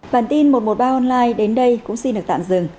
bản tin một trăm một mươi ba online đến đây cũng xin được tạm dừng